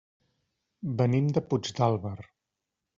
Venim de Puigdàlber.